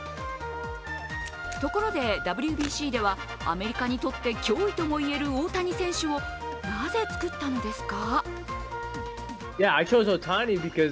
ところで、ＷＢＣではアメリカにとって脅威ともいえる大谷選手をなぜ作ったのですか？